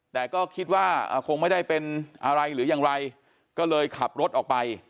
แต่ก็คิดว่าคงไม่ได้เป็นอะไรหรือยังไรก็เลยขับรถออกไป